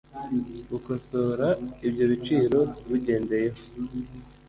bukosora ibyo biciro bugendeye ho